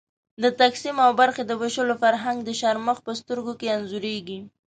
د تقسیم او برخې د وېشلو فرهنګ د شرمښ په سترګو کې انځورېږي.